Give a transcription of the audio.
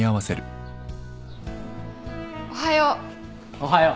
おはよう。